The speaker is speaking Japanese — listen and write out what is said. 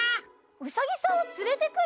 ウサギさんをつれてくる？